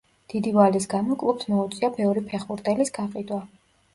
დიდი ვალის გამო კლუბს მოუწია ბევრი ფეხბურთელის გაყიდვა.